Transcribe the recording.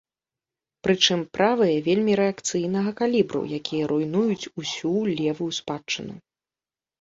Прычым, правыя вельмі рэакцыйнага калібру, якія руйнуюць усю левую спадчыну.